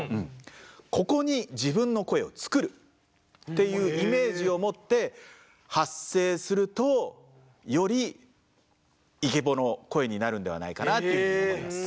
ここに自分の声を作るっていうイメージを持って発声するとよりイケボの声になるのではないかなというふうに思います。